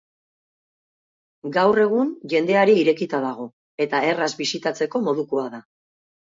Gaur egun jendeari irekita dago, eta erraz bisitatzeko modukoa da.